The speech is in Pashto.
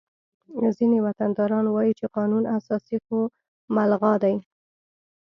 ځینې وطنداران وایي چې قانون اساسي خو ملغا دی